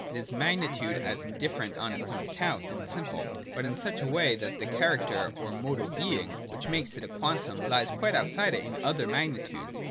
It is magnitude as indifferent on its own account and simple : but in such a way that the character (or modal being) which makes it a quantum lies quite outside it in other magnitudes.